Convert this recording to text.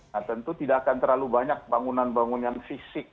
nah tentu tidak akan terlalu banyak bangunan bangunan fisik